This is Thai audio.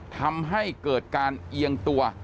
ทำให้เกิดการเอียงตัว